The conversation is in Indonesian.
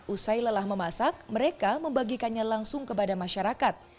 usai lelah memasak mereka membagikannya langsung kepada masyarakat